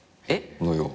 えっ？